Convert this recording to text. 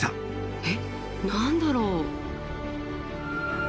えっ何だろう？